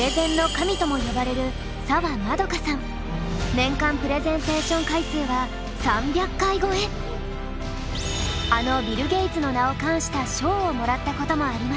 年間プレゼンテーション回数はあのビル・ゲイツの名を冠した賞をもらったこともあります。